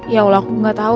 ya allah aku gak tahu